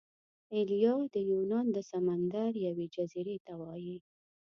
ایلیا د یونان د سمندر یوې جزیرې ته وايي.